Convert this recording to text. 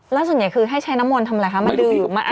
แล้วส่วนใหญ่คือให้ใช้น้ำมนต์ทำอะไรคะมาดื้ออยู่